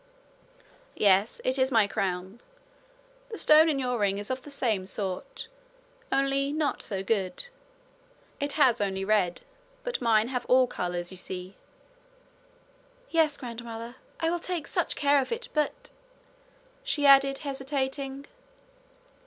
'Yes, it is my crown. The stone in your ring is of the same sort only not so good. It has only red, but mine have all colours, you see.' 'Yes, grandmother. I will take such care of it! But ' she added, hesitating.